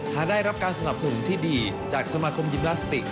หากได้รับการสนับสนุนที่ดีจากสมาคมยิมพลาสติก